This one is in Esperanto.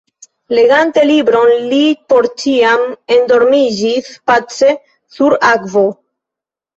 Legante libron li por ĉiam endormiĝis – pace sur akvo.